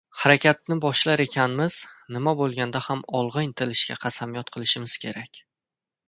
Harakatni boshlar ekanmiz, nima bo‘lganda ham olg‘a intilishga qasamyod qilishimiz kerak.